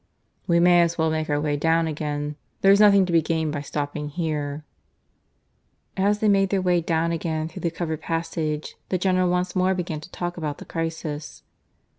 "We may as well make our way down again. There's nothing to be gained by stopping here." As they made their way down again through the covered passage, the General once more began to talk about the crisis.